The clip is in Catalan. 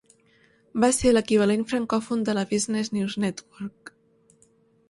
Va ser l'equivalent francòfon de la Business News Network.